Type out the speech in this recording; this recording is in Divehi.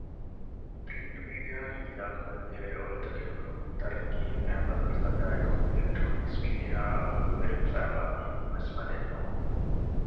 ޕްރިންޓް މީޑިއާގެ ގިރާކުރަންޖެހޭ އޮޅިތަކެއް ހުރުމުން ތަރައްޤީއަށް އައި ބަދަލުތަކާއެކީ އިލެކްޓްރޯނިކްސް މީޑިއާއަށް އަހުލުވެރިވެފައިވާ މީހުންވެސް މަދެއްނޫން